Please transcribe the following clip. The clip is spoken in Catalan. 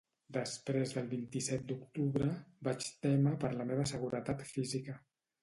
Després del vint-i-set d’octubre: Vaig témer per la meva seguretat física.